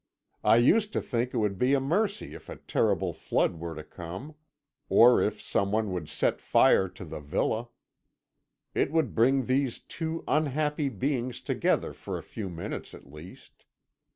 I used to think it would be a mercy if a terrible flood were to come, or if someone would set fire to the villa. It would bring these two unhappy beings together for a few minutes at least.